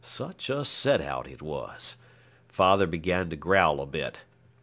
Such a set out it was. Father began to growl a bit.